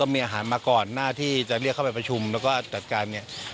มีอาหารมาก่อนหน้าที่จะเรียกเข้าไปประชุมแล้วก็จัดการเนี่ย